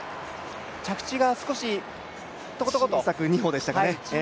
着地が、少し小さく２歩でしたかね。